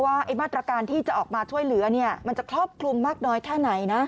มาตรการที่จะออกมาช่วยเหลือมันจะครอบคลุมมากน้อยแค่ไหนนะ